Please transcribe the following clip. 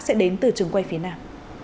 sẽ đến từ trường quay phía nam